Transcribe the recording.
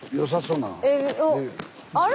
あれ？